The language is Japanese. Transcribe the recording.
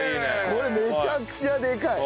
これめちゃくちゃでかい。